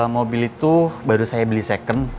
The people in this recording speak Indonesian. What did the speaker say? mobil itu baru saya beli second